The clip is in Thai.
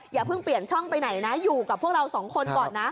อย่าเพิ่งเปลี่ยนช่องไปไหนนะอยู่กับพวกเราสองคนก่อนนะ